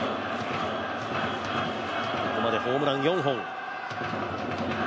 ここまでホームラン、４本。